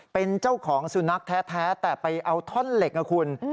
เป็นเจ้าของสุนัขแท้แต่ไปเอาท่อนเหล็กนะคุณ